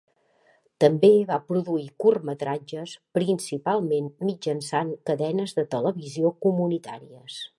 També va produir curtmetratges, principalment mitjançant cadenes de televisió comunitàries.